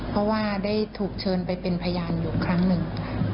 เพราะว่าได้ถูกเชิญไปเป็นพยานอยู่ครั้งหนึ่ง